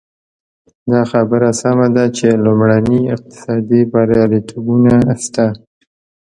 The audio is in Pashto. دا خبره سمه ده چې لومړني اقتصادي بریالیتوبونه شته.